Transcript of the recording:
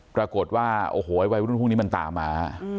ปรากฏว่าโอ้โหวัยรุ่นพวกนี้มันตามมา